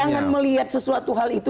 jangan melihat sesuatu hal itu